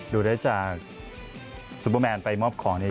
ดูได้จากซุปเปอร์แมนไปมอบของนี้